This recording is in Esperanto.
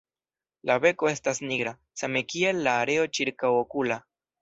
La beko estas nigra, same kiel la areo ĉirkaŭokula.